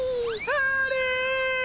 あれ！